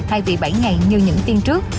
thay vì bảy ngày như những tiên trước